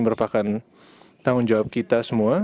merupakan tanggung jawab kita semua